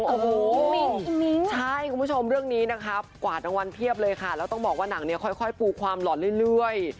โอ้โฮคุณผู้ชมเรื่องนี้กวาดทางวันเพียบเลยค่ะแล้วต้องบอกว่าหนังนี้พูดความหล่อเรื่อย